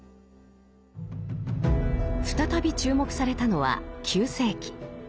再び注目されたのは９世紀。